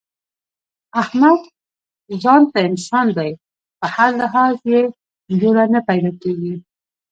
احمد ځانته انسان دی، په هر لحاظ یې جوړه نه پیداکېږي.